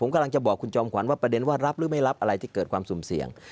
ผมกำลังจะบอกคุณจอมขวัญว่าประเด็นว่ารับหรือไม่รับอะไรที่เกิดความสุ่มเสี่ยง